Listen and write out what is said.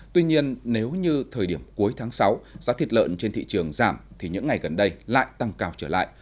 tuy nhiên nếu như thời điểm cuối tháng sáu giá thịt lợn trên thị trường giảm thì những ngày gần đây lại tăng cao trở lại